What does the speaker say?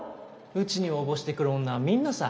うちに応募してくる女はみんなさ。